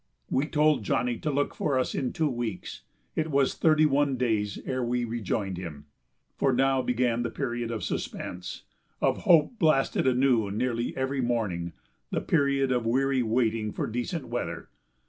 We told Johnny to look for us in two weeks. It was thirty one days ere we rejoined him. For now began the period of suspense, of hope blasted anew nearly every morning, the period of weary waiting for decent weather.